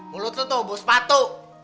mulut lo tuh mau bawa sepatu